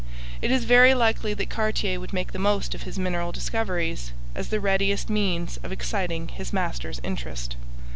It is very likely that Cartier would make the most of his mineral discoveries as the readiest means of exciting his master's interest.